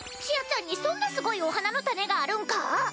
ちあちゃんにそんなすごいお花の種があるんか？